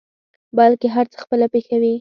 بلکې هر څه خپله پېښوي.